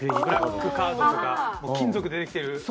ブラックカードとか金属でできてる。